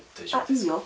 あ、いいよ。